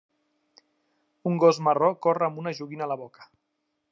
Un gos marró corre amb una joguina a la boca.